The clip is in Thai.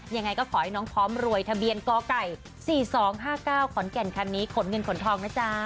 ยังไงก็ขอให้น้องพร้อมรวยทะเบียนกไก่๔๒๕๙ขอนแก่นคันนี้ขนเงินขนทองนะจ๊ะ